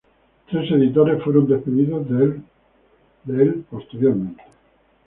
Tres editores fueron despedidos del posteriormente.